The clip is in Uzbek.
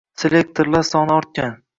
Selektorlar soni ortgan.